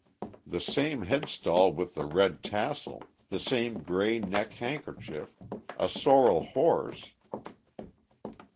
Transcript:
The same headstall with the red tassel, the same grey neck handkerchief, a sorrel horse....